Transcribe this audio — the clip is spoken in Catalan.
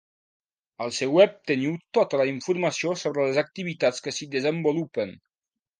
Al seu web teniu tota la informació sobre les activitats que s'hi desenvolupen.